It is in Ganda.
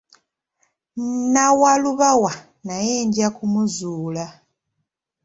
Nnawalubawa naye nja kumuzuula.